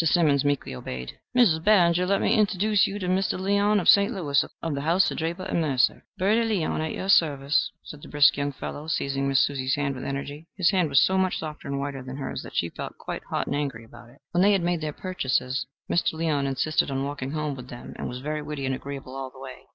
Simmons meekly obeyed: "Mrs. Barringer, let me interduce you to Mr. Leon of St. Louis, of the house of Draper & Mercer." "Bertie Leon, at your service," said the brisk young fellow, seizing Miss Susie's hand with energy. His hand was so much softer and whiter than hers that she felt quite hot and angry about it. When they had made their purchases, Mr. Leon insisted on walking home with them, and was very witty and agreeable all the way.